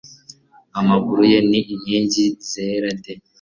amaguru ye ni inkingi zera de